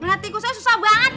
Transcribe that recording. malah tikusnya susah banget